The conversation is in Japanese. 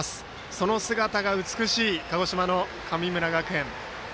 その姿が美しい鹿児島の神村学園。